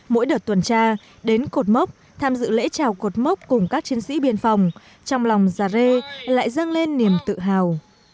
mỗi đợt tuần tra đến cột mốc tham dự lễ trào cột mốc cùng các chiến sĩ biên phòng trong lòng già re lại dâng lên niềm tự hào